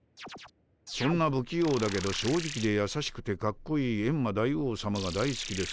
そんなぶきようだけど正直でやさしくてかっこいいエンマ大王さまがだいすきです。